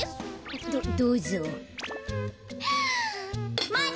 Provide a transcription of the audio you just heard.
どどうぞ。